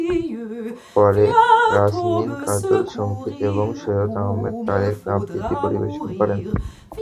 পরে নাজনীন কাজল সংগীত এবং সৈয়দ আহমেদ তারেক আবৃত্তি পরিবেশন করেন।